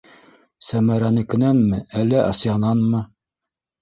Сәмәрәнекенәнме, әллә Асиянанмы?